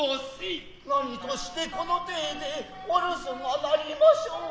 何として此の形でお留守がなりませうぞ。